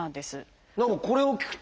何かこれを聞くと。